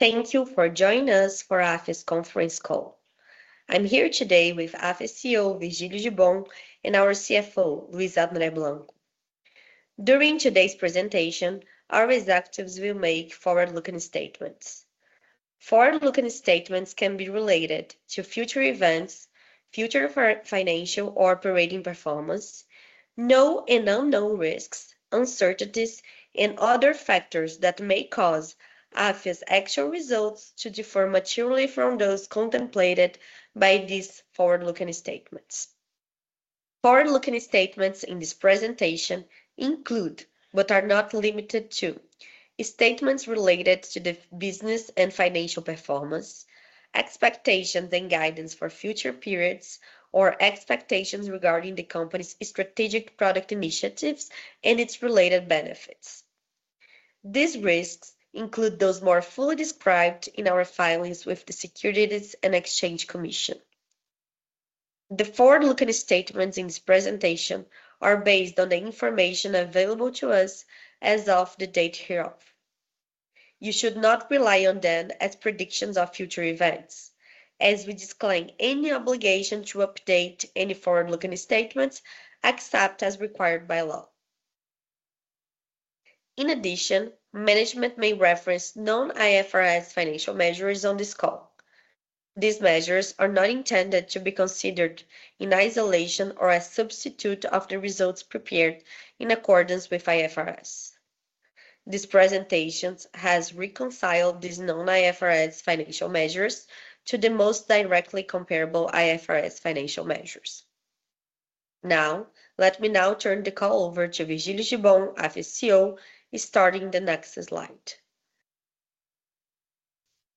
Thank you for joining us for the Afya Conference Call. I'm here today with Afya CEO Virgilio Gibbon and our CFO, Luis Andre Blanco. During today's presentation, our executives will make forward-looking statements. Forward-looking statements can be related to future events, future financial or operating performance, known and unknown risks, uncertainties, and other factors that may cause Afya's actual results to differ materially from those contemplated by these forward-looking statements. Forward-looking statements in this presentation include but are not limited to statements related to the business and financial performance, expectations and guidance for future periods, or expectations regarding the company's strategic product initiatives and its related benefits. These risks include those more fully described in our filings with the Securities and Exchange Commission. The forward-looking statements in this presentation are based on the information available to us as of the date hereof. You should not rely on them as predictions of future events, as we disclaim any obligation to update any forward-looking statements except as required by law. In addition, management may reference known IFRS financial measures on this call. These measures are not intended to be considered in isolation or as a substitute of the results prepared in accordance with IFRS. This presentation has reconciled these known IFRS financial measures to the most directly comparable IFRS financial measures. Now, let me turn the call over to Virgilio Gibbon, Afya CEO, starting the next slide.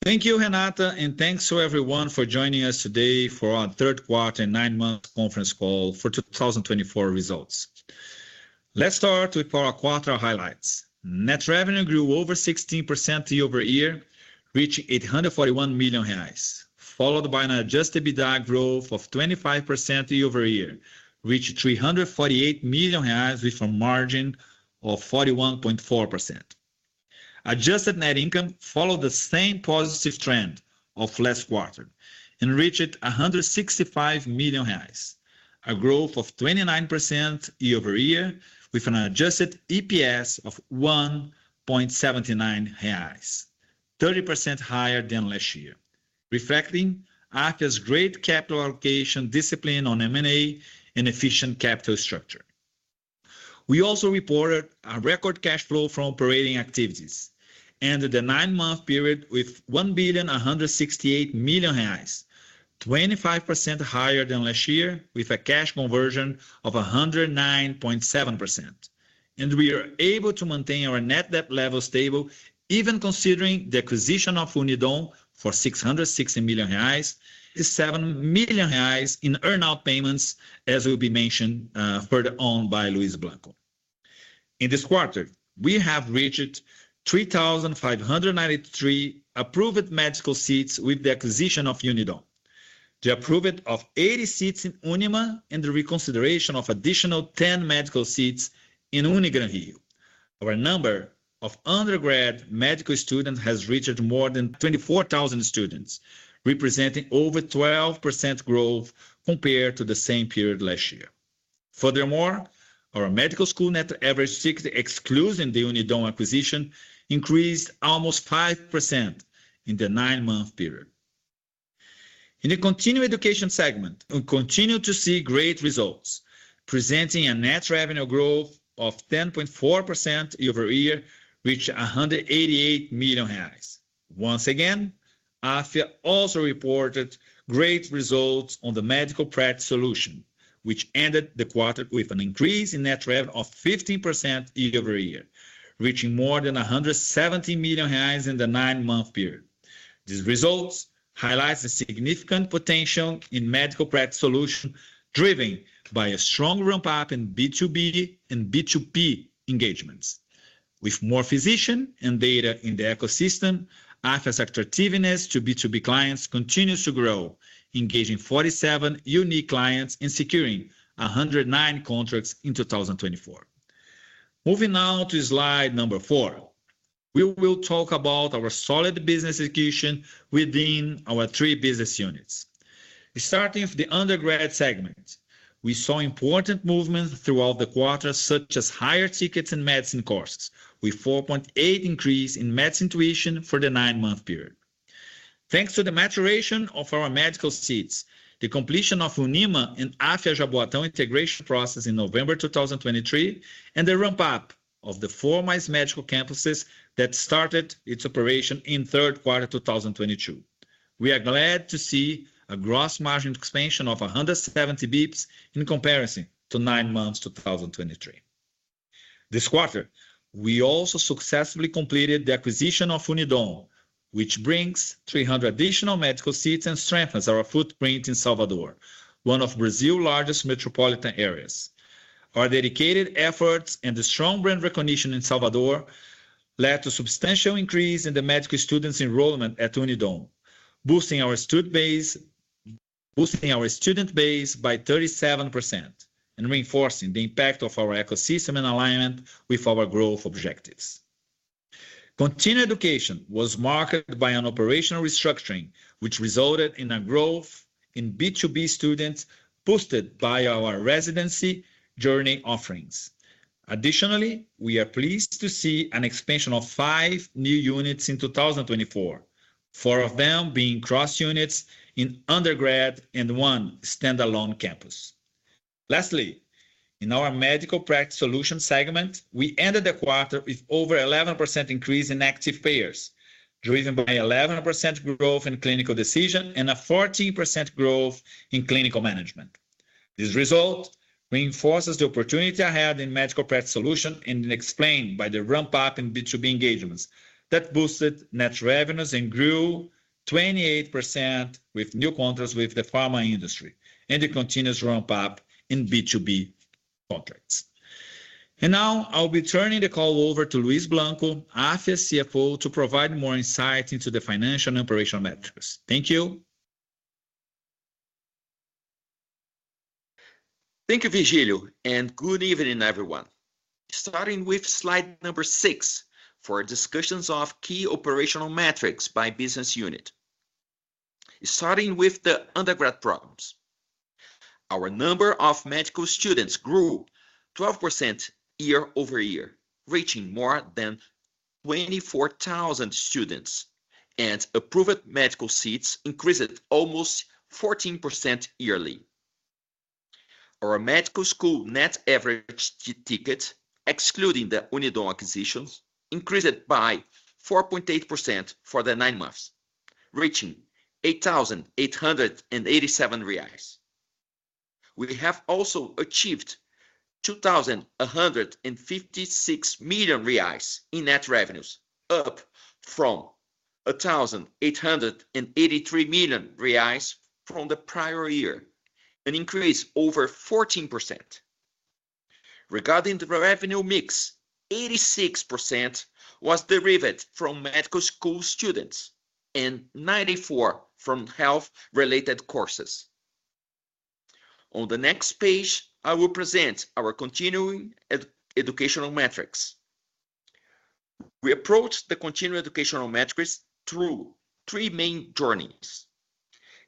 Thank you, Renata, and thanks to everyone for joining us today for our third quarter and nine-month conference call for 2024 results. Let's start with our quarter highlights. Net revenue grew over 16% year-over-year, reaching 841 million reais, followed by an Adjusted EBITDA growth of 25% year-over-year, reaching 348 million reais with a margin of 41.4%. Adjusted net income followed the same positive trend of last quarter, reached 165 million reais, a growth of 29% year-over-year, with an adjusted EPS of 1.79 reais, 30% higher than last year, reflecting Afya's great capital allocation discipline on M&A and efficient capital structure. We also reported a record cash flow from operating activities, ending the nine-month period with 1.168 million reais, 25% higher than last year, with a cash conversion of 109.7%. We are able to maintain our net debt level stable, even considering the acquisition of Unidom for 660 million reais, 17 million reais in earn-out payments, as will be mentioned further on by Luis Blanco. In this quarter, we have reached 3,593 approved medical seats with the acquisition of Unidom, the approval of 80 seats in UNIMA, and the reconsideration of additional 10 medical seats in Unigranrio. Our number of undergrad medical students has reached more than 24,000 students, representing over 12% growth compared to the same period last year. Furthermore, our medical school net average exclusion in the Unidom acquisition increased almost 5% in the nine-month period. In the continuing education segment, we continue to see great results, presenting a net revenue growth of 10.4% year-over-year, reaching BRL 188 million. Once again, Afya also reported great results on the medical practice solution, which ended the quarter with an increase in net revenue of 15% year-over-year, reaching more than 170 million reais in the nine-month period. These results highlight the significant potential in medical practice solution driven by a strong ramp-up in B2B and B2P engagements. With more physicians and data in the ecosystem, Afya's attractiveness to B2B clients continues to grow, engaging 47 unique clients and securing 109 contracts in 2024. Moving now to Slide number four, we will talk about our solid business execution within our three business units. Starting with the undergrad segment, we saw important movements throughout the quarter, such as higher tickets in medicine courses, with a 4.8% increase in medicine tuition for the nine-month period. Thanks to the maturation of our medical seats, the completion of UNIMA and Afya Jaboatão integration process in November 2023, and the ramp-up of the four Mais Médicos medical campuses that started its operation in third quarter 2022, we are glad to see a gross margin expansion of 170 basis points in comparison to nine months 2023. This quarter, we also successfully completed the acquisition of Unidompedro, which brings 300 additional medical seats and strengthens our footprint in Salvador, one of Brazil's largest metropolitan areas. Our dedicated efforts and the strong brand recognition in Salvador led to a substantial increase in the medical students' enrollment at Unidompedro, boosting our student base by 37% and reinforcing the impact of our ecosystem in alignment with our growth objectives. Continuing education was marked by an operational restructuring, which resulted in a growth in B2B students boosted by our residency journey offerings. Additionally, we are pleased to see an expansion of five new units in 2024, four of them being cross units in undergrad and one standalone campus. Lastly, in our medical practice solution segment, we ended the quarter with over an 11% increase in active payers, driven by an 11% growth in clinical decision and a 14% growth in clinical management. This result reinforces the opportunity ahead in medical practice solution and is explained by the ramp-up in B2B engagements that boosted net revenues and grew 28% with new contracts with the pharma industry and the continuous ramp-up in B2B contracts. And now, I'll be turning the call over to Luis Blanco, Afya CFO, to provide more insight into the financial and operational metrics. Thank you. Thank you, Virgilio, and good evening, everyone. Starting with slide number six for discussions of key operational metrics by business unit. Starting with the undergraduate programs, our number of medical students grew 12% year-over-year, reaching more than 24,000 students, and approved medical seats increased almost 14% yearly. Our medical school net average ticket, excluding the Unidompedro acquisitions, increased by 4.8% for the nine months, reaching 8,887 reais. We have also achieved 2,156 million reais in net revenues, up from 1,883 million reais from the prior year, an increase of over 14%. Regarding the revenue mix, 86% was derived from medical school students and 94% from health-related courses. On the next page, I will present our continuing educational metrics. We approached the continuing educational metrics through three main journeys.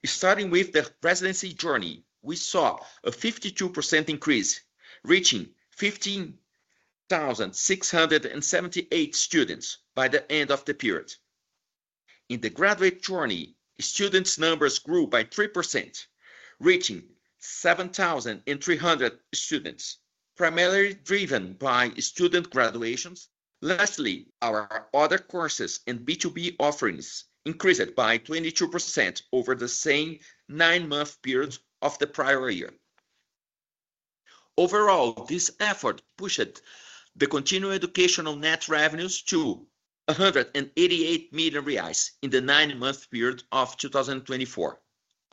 Starting with the residency journey, we saw a 52% increase, reaching 15,678 students by the end of the period. In the graduate journey, students' numbers grew by 3%, reaching 7,300 students, primarily driven by student graduations. Lastly, our other courses and B2B offerings increased by 22% over the same nine-month period of the prior year. Overall, this effort pushed the continuing education net revenues to 188 million reais in the nine-month period of 2024,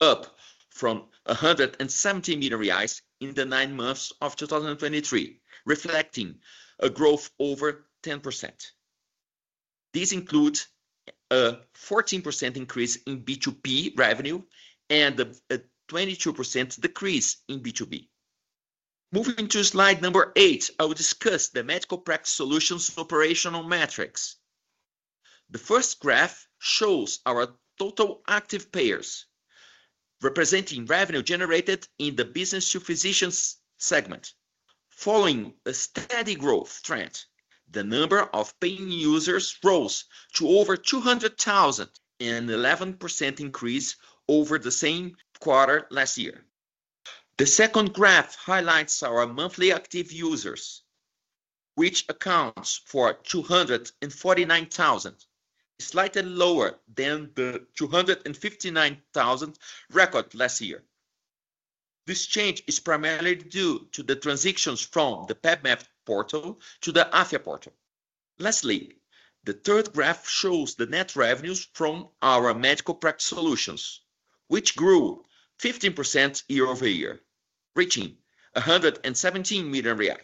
up from 170 million reais in the nine months of 2023, reflecting a growth of over 10%. This includes a 14% increase in B2B revenue and a 22% decrease in B2B. Moving to slide number eight, I will discuss the medical practice solution's operational metrics. The first graph shows our total active payers, representing revenue generated in the business to physicians segment. Following a steady growth trend, the number of paying users rose to over 200,000, an 11% increase over the same quarter last year. The second graph highlights our monthly active users, which accounts for 249,000, slightly lower than the 259,000 record last year. This change is primarily due to the transitions from the PEBMED portal to the Afya portal. Lastly, the third graph shows the net revenues from our medical practice solutions, which grew 15% year-over-year, reaching R$ 117 million.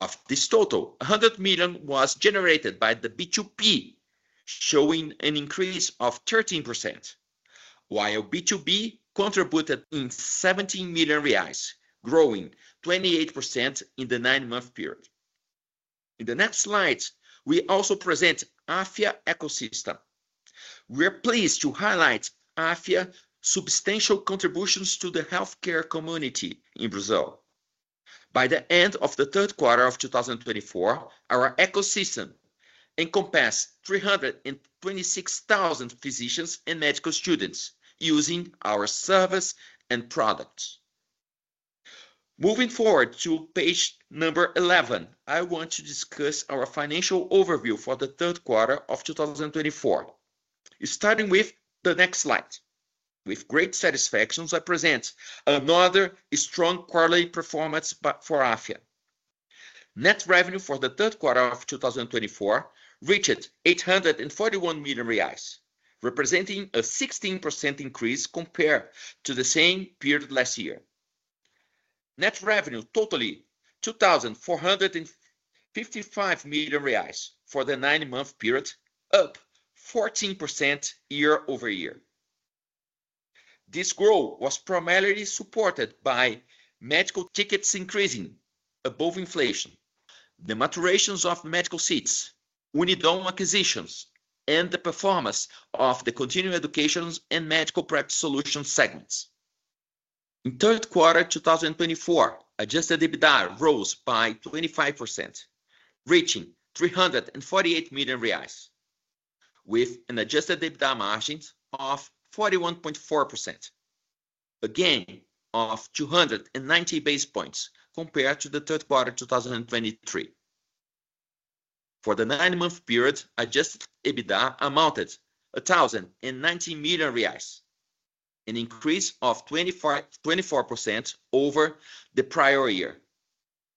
Of this total, R$ 100 million was generated by the B2P, showing an increase of 13%, while B2B contributed R$ 17 million, growing 28% in the nine-month period. In the next slides, we also present Afya Ecosystem. We are pleased to highlight Afya's substantial contributions to the healthcare community in Brazil. By the end of the third quarter of 2024, our ecosystem encompassed 326,000 physicians and medical students using our service and products. Moving forward to page number 11, I want to discuss our financial overview for the third quarter of 2024. Starting with the next slide, with great satisfaction, I present another strong quarterly performance for Afya. Net revenue for the third quarter of 2024 reached 841 million reais, representing a 16% increase compared to the same period last year. Net revenue totaled 2,455 million reais for the nine-month period, up 14% year-over-year. This growth was primarily supported by medical seats increasing above inflation, the maturations of medical seats, Unidompedro acquisitions, and the performance of the continuing education and medical practice solution segments. In third quarter 2024, Adjusted EBITDA rose by 25%, reaching 348 million reais, with an Adjusted EBITDA margin of 41.4%, an increase of 290 basis points compared to the third quarter 2023. For the nine-month period, Adjusted EBITDA amounted to 1,090 million reais, an increase of 24% over the prior year,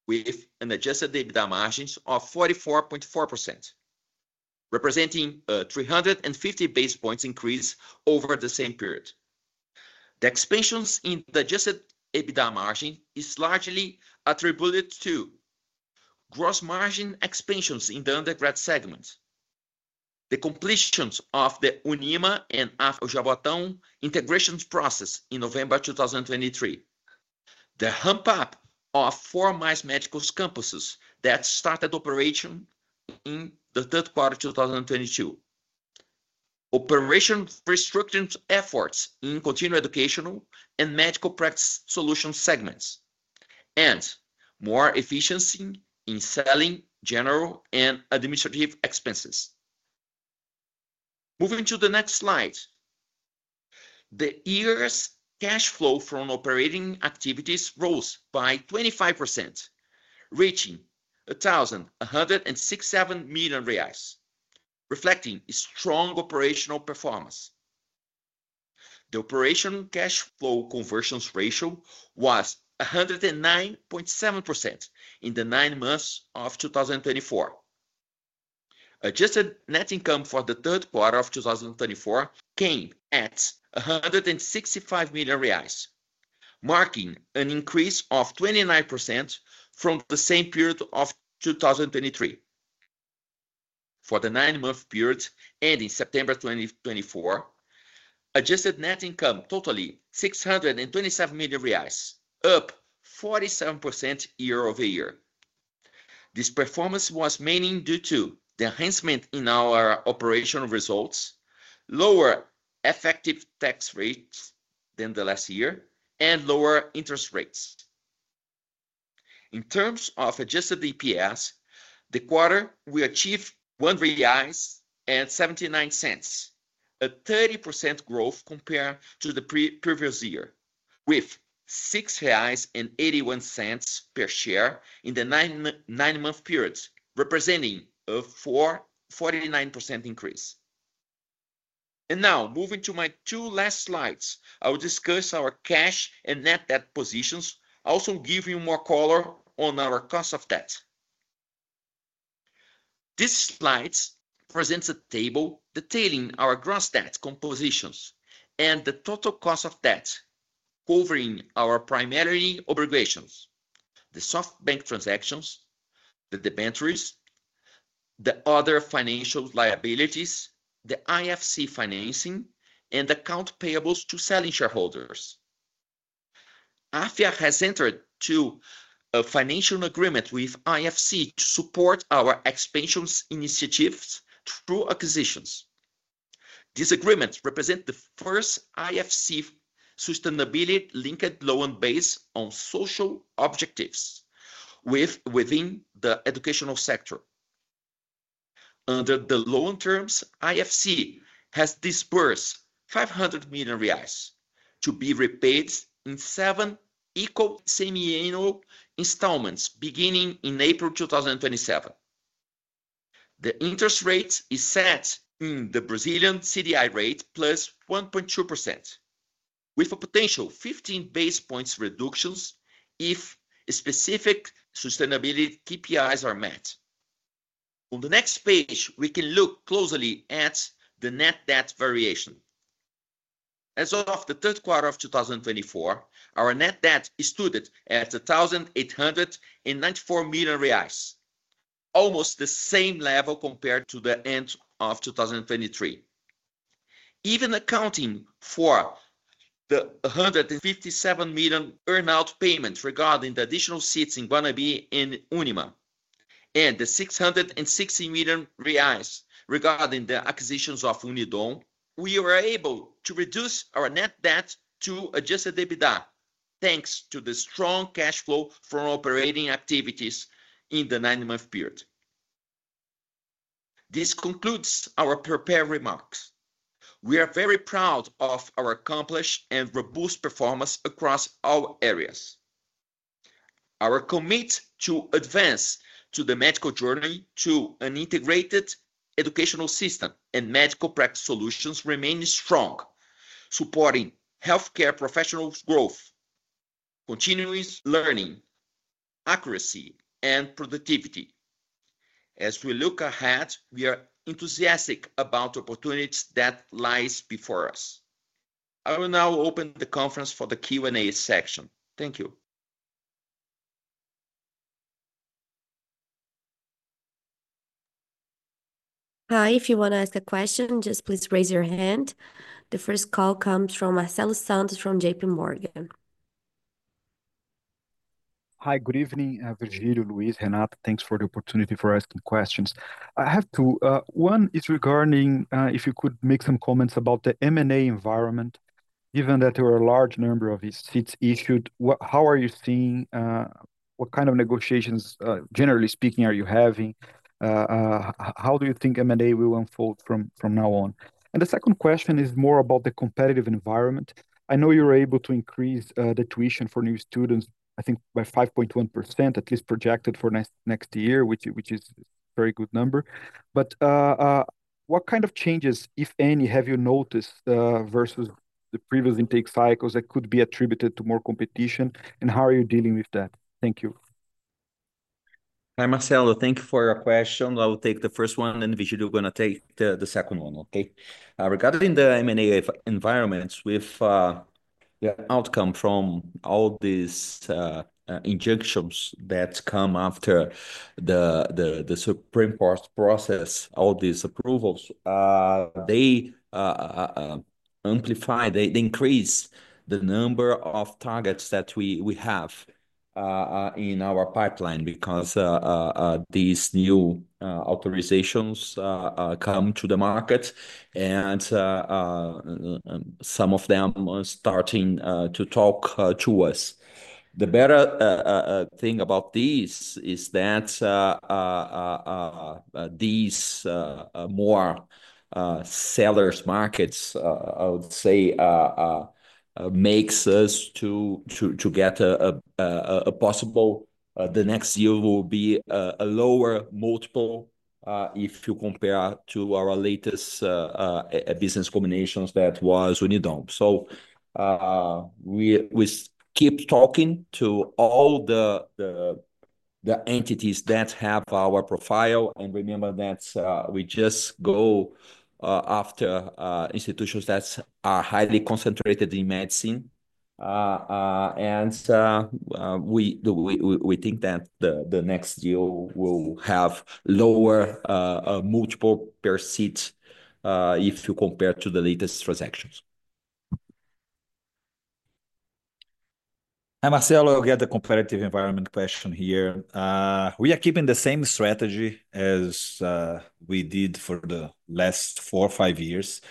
with an Adjusted EBITDA margin of 44.4%, representing a 350 basis points increase over the same period. The expansions in the adjusted EBITDA margin are largely attributed to gross margin expansions in the undergrad segment, the completion of the Unidompedro and Afya Jaboatão integration process in November 2023, the ramp-up of four Mais Médicos medical campuses that started operations in the third quarter 2022, operational restructuring efforts in continuing education and medical practice solutions segments, and more efficiency in selling, general and administrative expenses. Moving to the next slide, the year's cash flow from operating activities rose by 25%, reaching 1,167 million reais, reflecting strong operational performance. The operating cash flow conversion ratio was 109.7% in the nine months of 2024. Adjusted net income for the third quarter of 2024 came at 165 million reais, marking an increase of 29% from the same period of 2023. For the nine-month period ending September 2024, adjusted net income totaled 627 million reais, up 47% year-over-year. This performance was mainly due to the enhancement in our operational results, lower effective tax rates than the last year, and lower interest rates. In terms of adjusted EPS, the quarter we achieved 1.79 reais, a 30% growth compared to the previous year, with 6.81 reais per share in the nine-month period, representing a 49% increase. And now, moving to my two last slides, I will discuss our cash and net debt positions, also giving you more color on our cost of debt. This slide presents a table detailing our gross debt composition and the total cost of debt, covering our primary obligations, the SoftBank transactions, the debentures, the other financial liabilities, the IFC financing, and accounts payable to selling shareholders. Afya has entered into a financial agreement with IFC to support our expansion initiatives through acquisitions. This agreement represents the first IFC sustainability-linked loan based on social objectives within the educational sector. Under the loan terms, IFC has disbursed 500 million reais to be repaid in seven equal semiannual installments beginning in April 2027. The interest rate is set in the Brazilian CDI rate plus 1.2%, with a potential 15 basis points reductions if specific sustainability KPIs are met. On the next page, we can look closely at the net debt variation. As of the third quarter of 2024, our net debt stood at 1,894 million reais, almost the same level compared to the end of 2023. Even accounting for the 157 million earn-out payment regarding the additional seats in Guanambi and Unidompedro, and the 660 million reais regarding the acquisitions of Unidompedro, we were able to reduce our net debt to adjusted EBITDA, thanks to the strong cash flow from operating activities in the nine-month period. This concludes our prepared remarks. We are very proud of our accomplished and robust performance across all areas. Our commitment to advance the medical journey to an integrated educational system and medical practice solutions remains strong, supporting healthcare professionals' growth, continuous learning, accuracy, and productivity. As we look ahead, we are enthusiastic about the opportunities that lie before us. I will now open the conference for the Q&A section. Thank you. Hi. If you want to ask a question, just please raise your hand. The first call comes from Marcelo Santos from JPMorgan. Hi. Good evening, Virgilio, Luis, Renata. Thanks for the opportunity for asking questions. I have two. One is regarding if you could make some comments about the M&A environment, given that there were a large number of these seats issued. How are you seeing what kind of negotiations, generally speaking, are you having? How do you think M&A will unfold from now on? And the second question is more about the competitive environment. I know you were able to increase the tuition for new students, I think, by 5.1%, at least projected for next year, which is a very good number. But what kind of changes, if any, have you noticed versus the previous intake cycles that could be attributed to more competition? And how are you dealing with that? Thank you. Hi, Marcelo. Thank you for your question. I will take the first one, and Virgilio is going to take the second one. Okay. Regarding the M&A environment, with the outcome from all these injunctions that come after the Supreme Court process, all these approvals, they amplify, they increase the number of targets that we have in our pipeline because these new authorizations come to the market, and some of them are starting to talk to us. The better thing about this is that these more seller markets, I would say, make us get a possible. The next year will be a lower multiple if you compare to our latest business combinations that was Unidompedro. So we keep talking to all the entities that have our profile and remember that we just go after institutions that are highly concentrated in medicine. And we think that the next year will have lower multiple per seat if you compare to the latest transactions. Hi, Marcelo. I'll get the competitive environment question here. We are keeping the same strategy as we did for the last four or five years.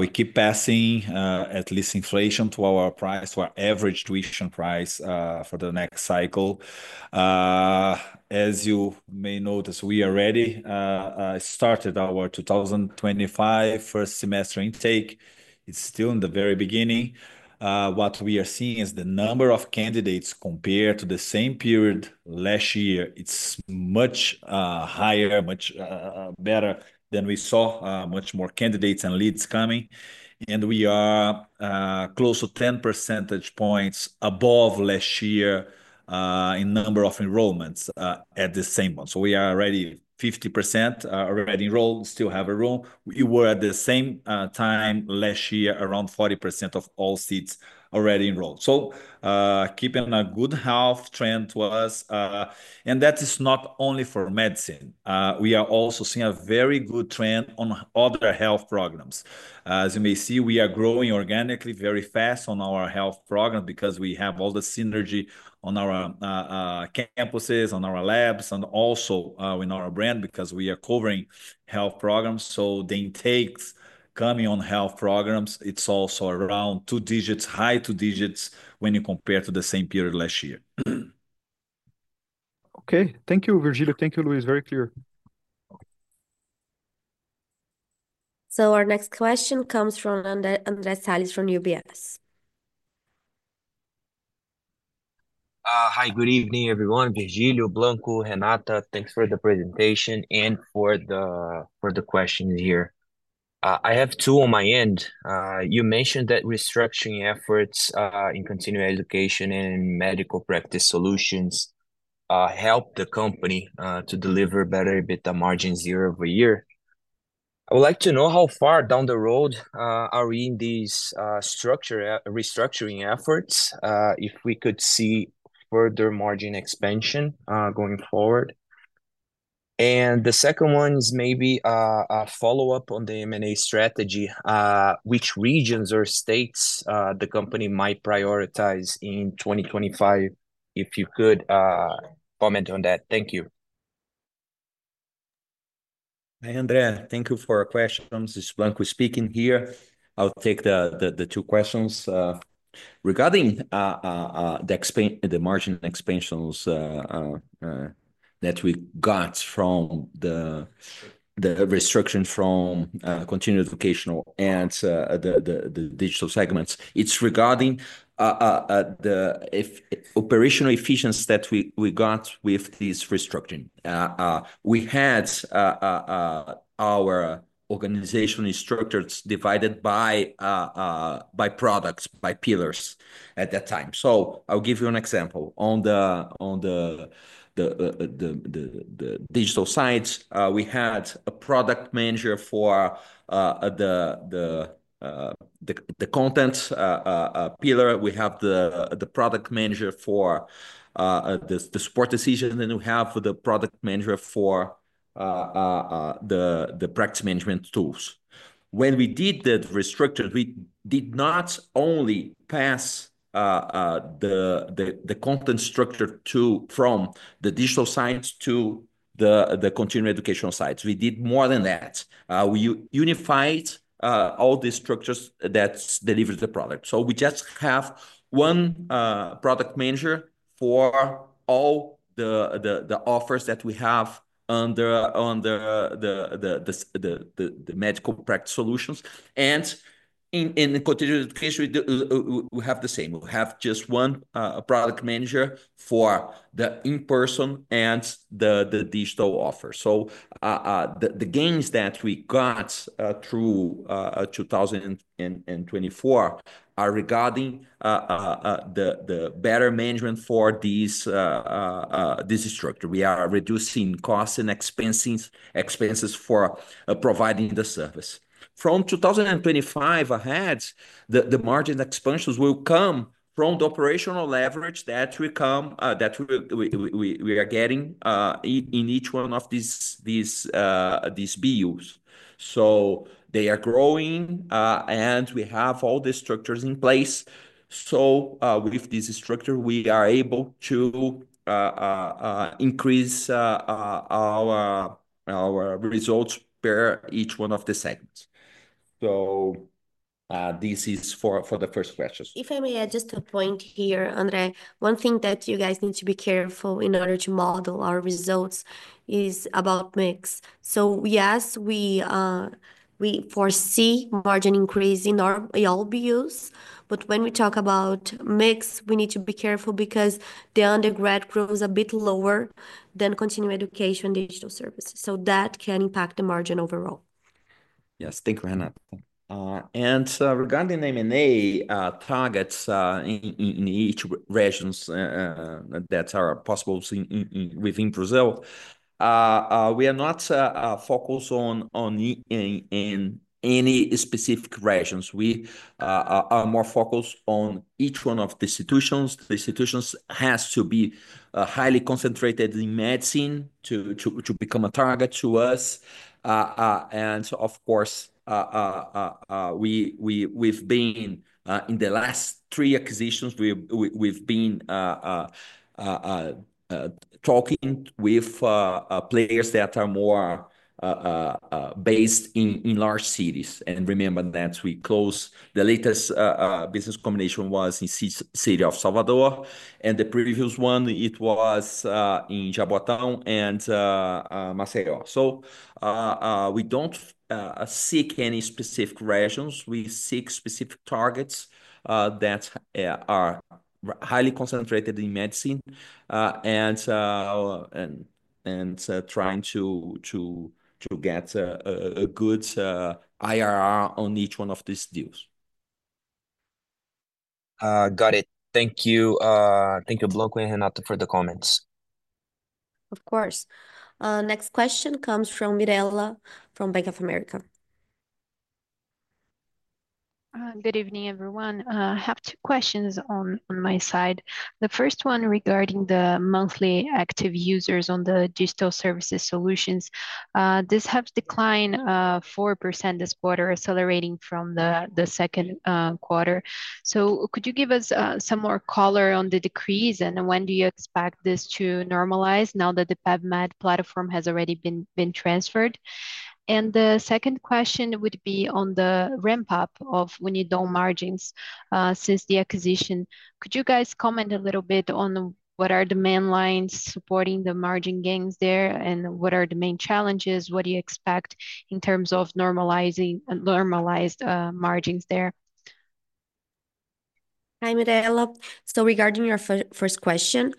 We keep passing at least inflation to our price, to our average tuition price for the next cycle. As you may notice, we already started our 2025 first semester intake. It's still in the very beginning. What we are seeing is the number of candidates compared to the same period last year. It's much higher, much better than we saw, much more candidates and leads coming. And we are close to 10 percentage points above last year in number of enrollments at the same one. So we are already 50% enrolled, still have a room. We were at the same time last year around 40% of all seats already enrolled. So keeping a good health trend was, and that is not only for medicine. We are also seeing a very good trend on other health programs. As you may see, we are growing organically very fast on our health program because we have all the synergy on our campuses, on our labs, and also in our brand because we are covering health programs. So the intakes coming on health programs, it's also around two digits, high two digits when you compare to the same period last year. Okay. Thank you, Virgilio. Thank you, Luis. Very clear. So our next question comes from Andrés Salice from UBS. Hi. Good evening, everyone. Virgilio, Blanco, Renata, thanks for the presentation and for the questions here. I have two on my end. You mentioned that restructuring efforts in continuing education and medical practice solutions help the company to deliver better EBITDA margin year over year. I would like to know how far down the road are we in these restructuring efforts if we could see further margin expansion going forward. And the second one is maybe a follow-up on the M&A strategy. Which regions or states the company might prioritize in 2025? If you could comment on that. Thank you. Hi, Andres. Thank you for your questions. This is Blanco speaking here. I'll take the two questions. Regarding the margin expansions that we got from the restructuring from continuing education and the digital segments, it's regarding the operational efficiency that we got with this restructuring. We had our organization structured divided by products, by pillars at that time, so I'll give you an example. On the digital side, we had a product manager for the content pillar. We have the product manager for the decision support, and we have the product manager for the practice management tools. When we did that restructure, we did not only pass the content structure from the digital sites to the continuing education sites. We did more than that. We unified all these structures that deliver the product. So we just have one product manager for all the offers that we have under the medical practice solutions, and in continuing education, we have the same. We have just one product manager for the in-person and the digital offer, so the gains that we got through 2024 are regarding the better management for this structure. We are reducing costs and expenses for providing the service. From 2025 ahead, the margin expansions will come from the operational leverage that we are getting in each one of these BUs. So they are growing, and we have all the structures in place. So with this structure, we are able to increase our results per each one of the segments. So this is for the first question. If I may add just a point here, Andrés, one thing that you guys need to be careful in order to model our results is about mix. So yes, we foresee margin increase in all BUs, but when we talk about mix, we need to be careful because the undergrad grows a bit lower than continuing education and digital services. So that can impact the margin overall. Yes. Thank you, Renata. And regarding M&A targets in each region that are possible within Brazil, we are not focused on any specific regions. We are more focused on each one of the institutions. The institutions have to be highly concentrated in medicine to become a target to us. And of course, we've been in the last three acquisitions, we've been talking with players that are more based in large cities. And remember that we closed the latest business combination was in the city of Salvador, and the previous one, it was in Jaboatão and Maceió. So we don't seek any specific regions. We seek specific targets that are highly concentrated in medicine and trying to get a good IRR on each one of these deals. Got it. Thank you. Thank you, Blanco and Renata, for the comments. Of course. Next question comes from Mirela from Bank of America. Good evening, everyone. I have two questions on my side. The first one regarding the monthly active users on the digital services solutions. This has declined 4% this quarter, accelerating from the second quarter. So could you give us some more color on the decrease and when do you expect this to normalize now that the PEBMED platform has already been transferred? And the second question would be on the ramp-up of Unidompedro margins since the acquisition. Could you guys comment a little bit on what are the main lines supporting the margin gains there and what are the main challenges? What do you expect in terms of normalized margins there? Hi, Mirela. So regarding your first question,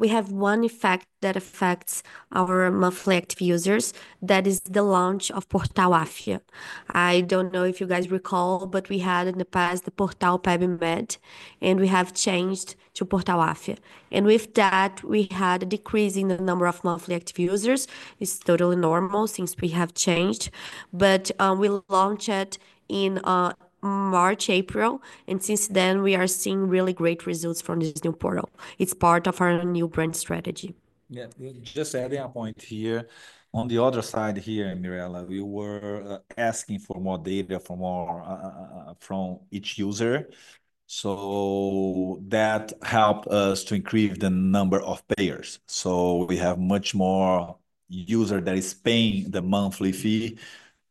we have one effect that affects our monthly active users. That is the launch of Portal Afya. I don't know if you guys recall, but we had in the past the Portal PEBMED, and we have changed to Portal Afya. And with that, we had a decrease in the number of monthly active users. It's totally normal since we have changed. But we launched it in March, April, and since then, we are seeing really great results from this new portal. It's part of our new brand strategy. Yeah. Just adding a point here. On the other side here, Mirela, we were asking for more data from each user. So that helped us to increase the number of payers. So we have much more users that are paying the monthly fee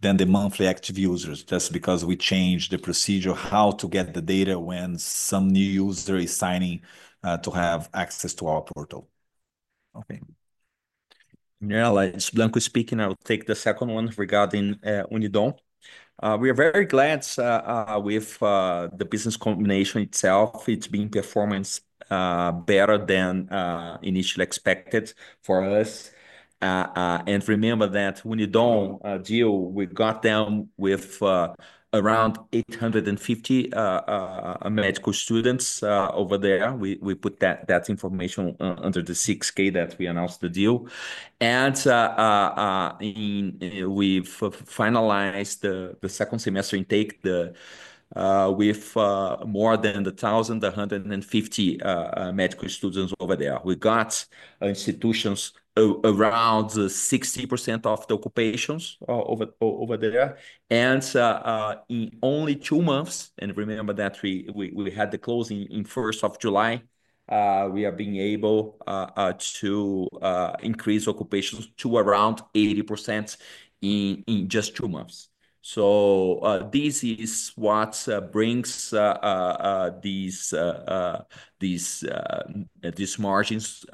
than the monthly active users just because we changed the procedure of how to get the data when some new user is signing to have access to our portal. Okay. Mirela, it's Blanco speaking. I'll take the second one regarding Unidompedro. We are very glad with the business combination itself. It's been performing better than initially expected for us. And remember that Unidompedro deal, we got them with around 850 medical students over there. We put that information under the 6K that we announced the deal. And we've finalized the second semester intake with more than 1,150 medical students over there. We got institutions around 60% of the occupations over there, and in only two months, and remember that we had the closing in first of July, we have been able to increase occupations to around 80% in just two months, so this is what brings these margins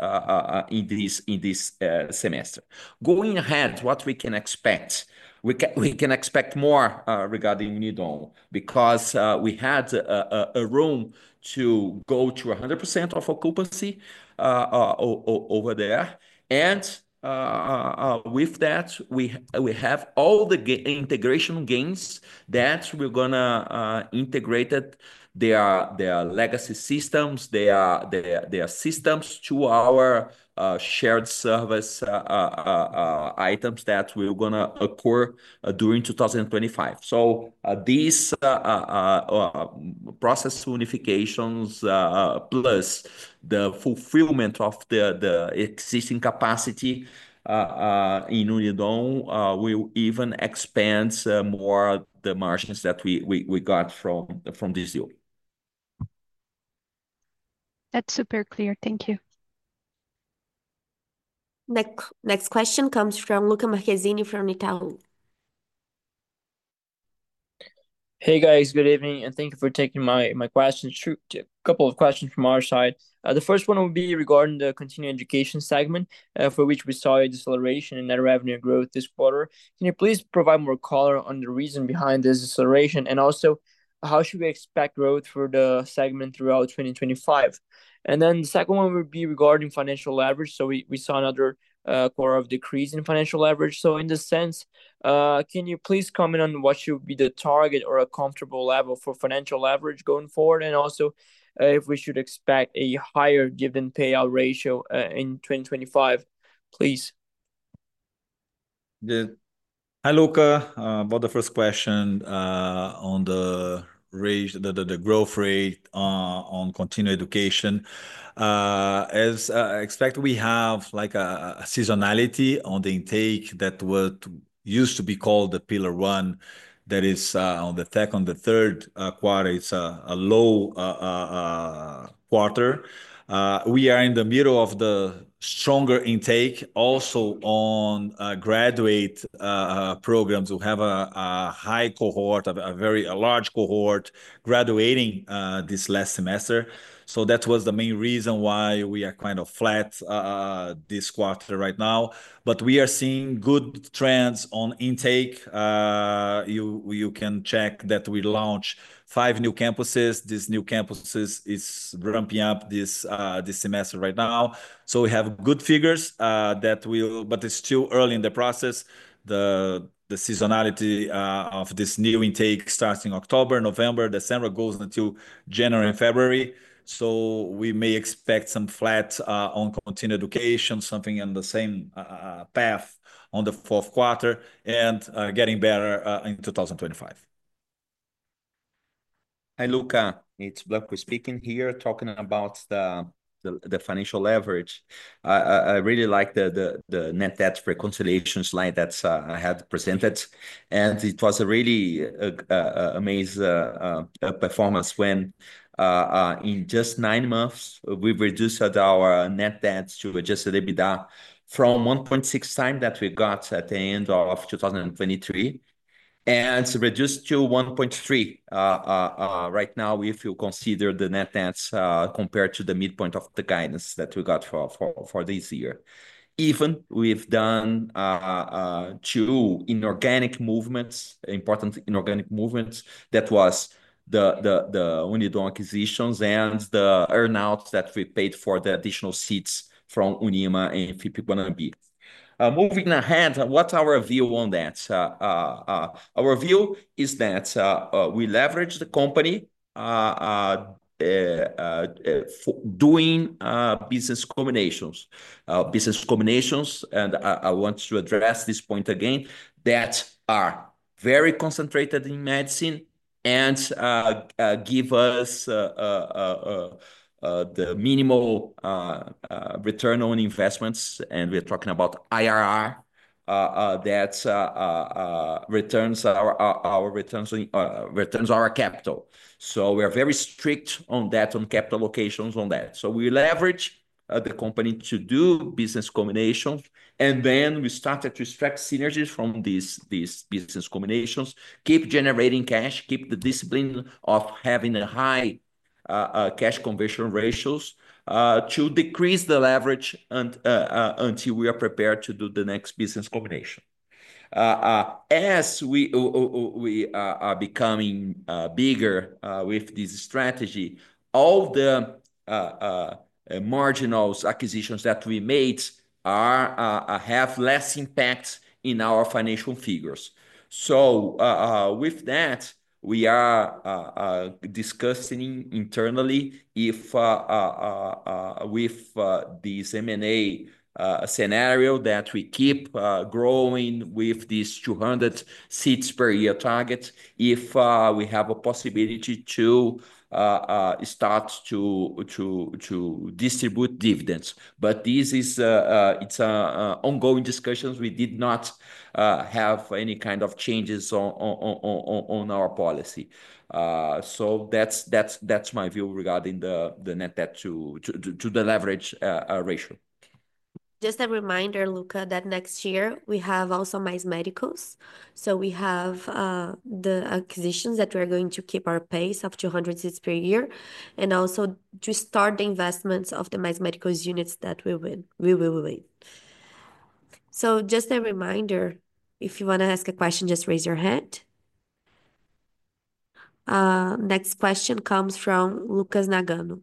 in this semester. Going ahead, what we can expect, we can expect more regarding Unidompedro because we had a room to go to 100% of occupancy over there, and with that, we have all the integration gains that we're going to integrate their legacy systems, their systems to our shared service items that we're going to occur during 2025, so these process unifications plus the fulfillment of the existing capacity in Unidompedro will even expand more the margins that we got from this deal. That's super clear. Thank you. Next question comes from Lucca Marquezini from Itaú. Hey, guys. Good evening, and thank you for taking my questions. A couple of questions from our side. The first one would be regarding the continuing education segment for which we saw a deceleration in net revenue growth this quarter. Can you please provide more color on the reason behind this deceleration? And also, how should we expect growth for the segment throughout 2025? And then the second one would be regarding financial leverage. So we saw another quarter of decrease in financial leverage. So in this sense, can you please comment on what should be the target or a comfortable level for financial leverage going forward? And also, if we should expect a higher given payout ratio in 2025, please. Hi, Lucca. About the first question on the growth rate on continuing education. As expected, we have a seasonality on the intake that used to be called the Pillar One that is on the second, the third quarter. It is a low quarter. We are in the middle of the stronger intake also on graduate programs. We have a high cohort, a very large cohort graduating this last semester. So that was the main reason why we are kind of flat this quarter right now. But we are seeing good trends on intake. You can check that we launched five new campuses. This new campus is ramping up this semester right now. So we have good figures, but it's still early in the process. The seasonality of this new intake starts in October, November, December, goes until January and February. So we may expect some flat on continuing education, something in the same path on the fourth quarter and getting better in 2025. Hi, Lucca. It's Blanco speaking here talking about the financial leverage. I really like the net debt reconciliation slide that I had presented. And it was a really amazing performance when in just nine months, we reduced our net debt to just EBITDA from 1.6 time that we got at the end of 2023 and reduced to 1.3 right now if you consider the net debts compared to the midpoint of the guidance that we got for this year. Even we've done two inorganic movements, important inorganic movements that was the Unidompedro acquisitions and the earnouts that we paid for the additional seats from Unima and FIP Guanambi. Moving ahead, what's our view on that? Our view is that we leverage the company doing business combinations. Business combinations, and I want to address this point again, that are very concentrated in medicine and give us the minimal return on investments. And we're talking about IRR that returns our capital. So we are very strict on that, on capital allocations on that. So we leverage the company to do business combinations. And then we started to extract synergies from these business combinations, keep generating cash, keep the discipline of having a high cash conversion ratios to decrease the leverage until we are prepared to do the next business combination. As we are becoming bigger with this strategy, all the marginal acquisitions that we made have less impact in our financial figures. So with that, we are discussing internally if with this M&A scenario that we keep growing with these 200 seats per year target, if we have a possibility to start to distribute dividends. But this is an ongoing discussion. We did not have any kind of changes on our policy. So that's my view regarding the net debt to the leverage ratio. Just a reminder, Lucca, that next year, we have also Mais Médicos. So we have the acquisitions that we are going to keep our pace of 200 seats per year and also to start the investments of the Mais Médicos units that we will win. So just a reminder, if you want to ask a question, just raise your hand. Next question comes from Lucas Nagano.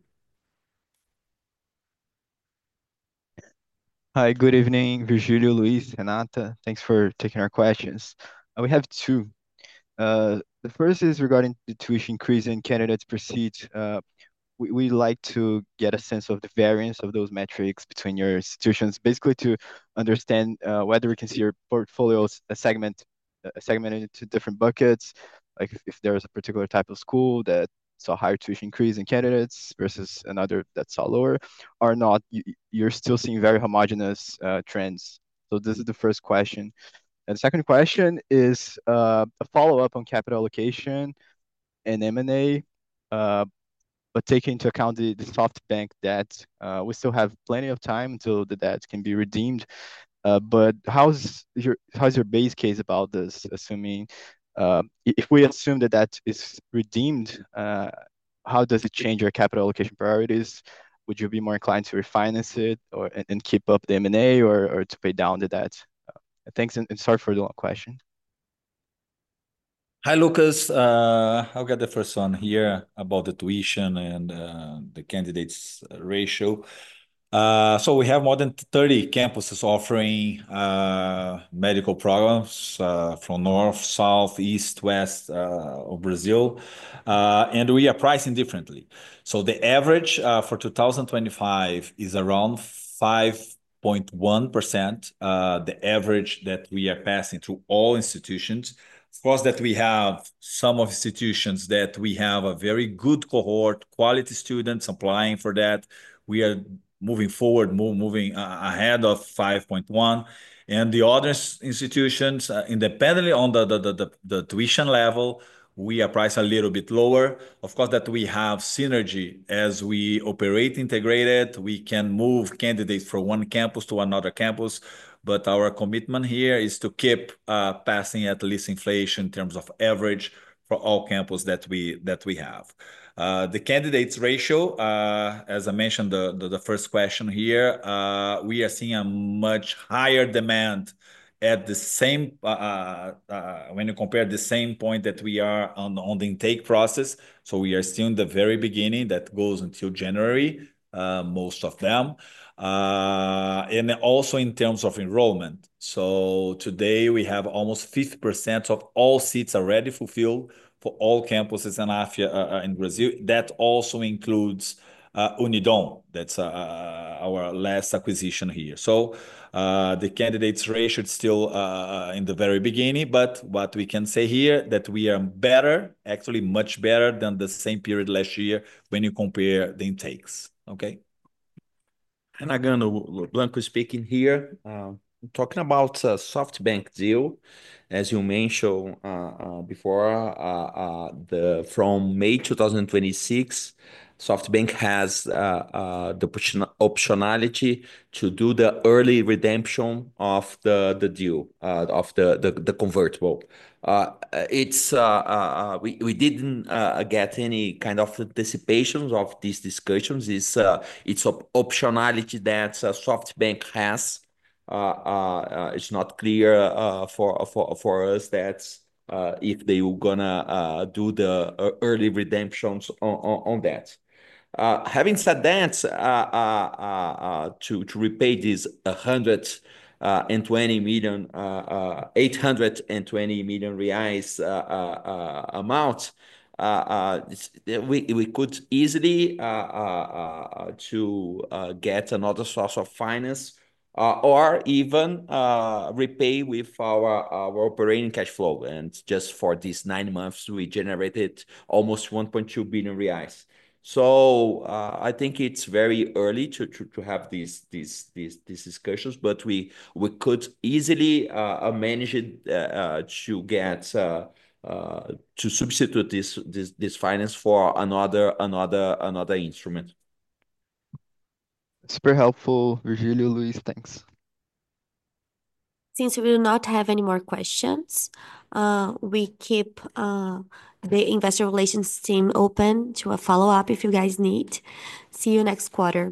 Hi, good evening, Virgilio, Luis, Renata. Thanks for taking our questions. We have two. The first is regarding the tuition increase in candidates per seat. We like to get a sense of the variance of those metrics between your institutions, basically to understand whether we can see your portfolio segmented into different buckets. If there's a particular type of school that saw a higher tuition increase in candidates versus another that saw lower, or not, you're still seeing very homogenous trends. So this is the first question. And the second question is a follow-up on capital allocation and M&A, but taking into account the SoftBank debt, we still have plenty of time until the debt can be redeemed. But how's your base case about this? If we assume that that is redeemed, how does it change your capital allocation priorities? Would you be more inclined to refinance it and keep up the M&A or to pay down the debt? Thanks, and sorry for the long question. Hi, Lucas. I'll get the first one here about the tuition and the candidates' ratio. So we have more than 30 campuses offering medical programs from north, south, east, west of Brazil. And we are pricing differently. So the average for 2025 is around 5.1%, the average that we are passing through all institutions. Of course, that we have some of institutions that we have a very good cohort, quality students applying for that. We are moving forward, moving ahead of 5.1. And the other institutions, independently on the tuition level, we are priced a little bit lower. Of course, that we have synergy as we operate integrated. We can move candidates from one campus to another campus. But our commitment here is to keep passing at least inflation in terms of average for all campuses that we have. The candidates' ratio, as I mentioned, the first question here, we are seeing a much higher demand when you compare the same point that we are on the intake process. So we are still in the very beginning that goes until January, most of them. And also in terms of enrollment. So today, we have almost 50% of all seats already fulfilled for all campuses in Brazil. That also includes Unidom. That's our last acquisition here. So the candidates' rate should still be in the very beginning. But what we can say here is that we are better, actually much better than the same period last year when you compare the intakes. Okay? And again, Blanco speaking here. Talking about a SoftBank deal, as you mentioned before, from May 2026, SoftBank has the optionality to do the early redemption of the deal, of the convertible. We didn't get any kind of anticipations of these discussions. It's an optionality that SoftBank has. It's not clear for us if they are going to do the early redemptions on that. Having said that, to repay this $120 million, BRL 820 million amount, we could easily get another source of finance or even repay with our operating cash flow. And just for these nine months, we generated almost 1.2 billion reais. So I think it's very early to have these discussions, but we could easily manage it to substitute this finance for another instrument. Super helpful, Virgilio, Luis. Thanks. Since we do not have any more questions, we keep the investor relations team open to a follow-up if you guys need. See you next quarter.